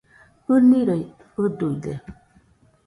ɨniroi ɨduide